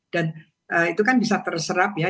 dan itu kan bisa terserap ya